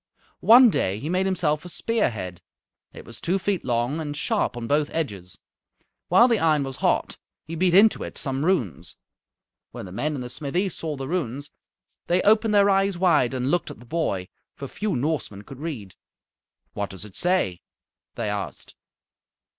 One day he made himself a spear head. It was two feet long and sharp on both edges. While the iron was hot he beat into it some runes. When the men in the smithy saw the runes they opened their eyes wide and looked at the boy, for few Norsemen could read. "What does it say?" they asked.